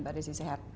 mbak desy sehat